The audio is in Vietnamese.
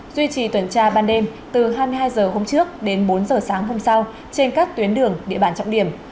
duy trì tuần tra ban đêm từ hai mươi hai h hôm trước đến bốn h sáng hôm sau trên các tuyến đường địa bàn trọng điểm